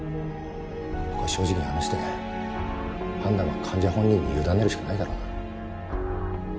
ここは正直に話して判断は患者本人に委ねるしかないだろうな。